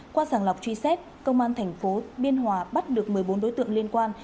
qua sàng lọc truy xét công an tp biên hòa bắt được một mươi bốn đối tượng liên quan